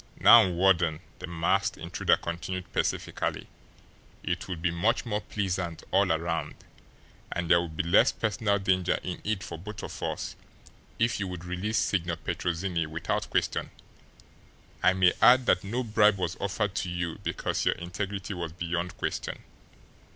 "Now, Warden," the masked intruder continued pacifically, "it would be much more pleasant all around and there would be less personal danger in it for both of us if you would release Signor Petrozinni without question. I may add that no bribe was offered to you because your integrity was beyond question."